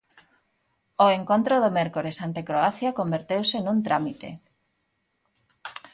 O encontro do mércores ante Croacia converteuse nun trámite.